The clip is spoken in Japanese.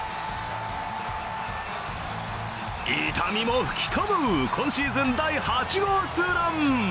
痛みも吹き飛ぶ今シーズン第８号ツーラン。